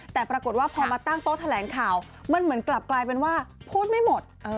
แต่ปรากฏว่าพอมาตั้งโต๊ะแถลงข่าวมันเหมือนกลับกลายเป็นว่าพูดไม่หมด